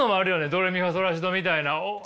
ドレミファソラシドみたいなあの。